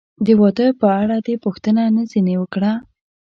د واده په اړه دې پوښتنه نه ځنې وکړه؟